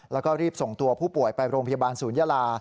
แล้วก็รีบส่งตัวผู้ป่วยไปโรงพยาบาลศูนยาลา